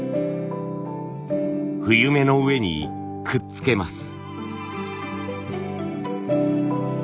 冬目の上にくっつけます。